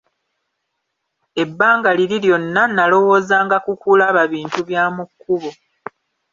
Ebbanga liri lyonna nalowoozanga ku kulaba bintu bya mu kkubo.